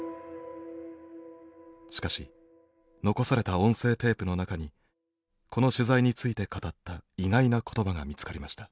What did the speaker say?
しかし残された音声テープの中にこの取材について語った意外な言葉が見つかりました。